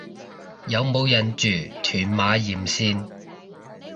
有冇人住屯馬沿線